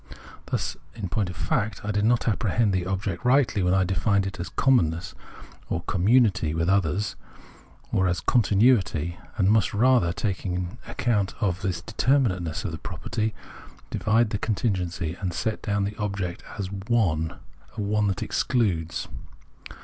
Thus, in point of fact, I did not apprehend the object rightly when I defined it as a " commonness " or commimity with others, or as con tinuity; and must rather, taking account of the deter minateness of the proj^erty, divide the continuity and set down the object as a " one " that excludes.